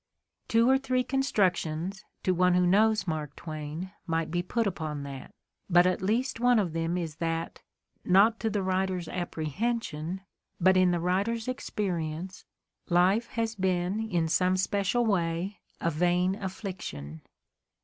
Two or three constructions, to one who knows Mark Twain, might be put upon that : but at least one of them is that, not to the writer's apprehension, but in the writer's experience, life has been in some special way a vain affliction.